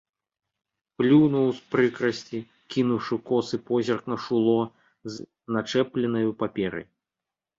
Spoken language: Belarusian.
Плюнуў з прыкрасці, кінуўшы косы позірк на шуло з начэпленаю паперай.